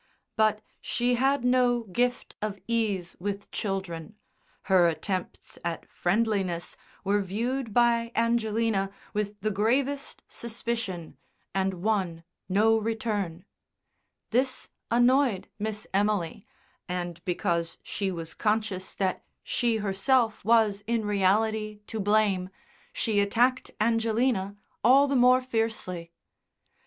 But she had no gift of ease with children; her attempts at friendliness were viewed by Angelina with the gravest suspicion and won no return. This annoyed Miss Emily, and because she was conscious that she herself was in reality to blame, she attacked Angelina all the more fiercely.